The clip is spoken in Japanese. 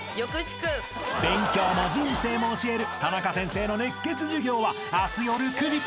［勉強も人生も教えるタナカ先生の熱血授業は明日夜９時。